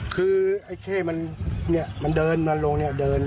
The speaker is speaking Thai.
คือไอ้เข้มันเดินมาลงเดิน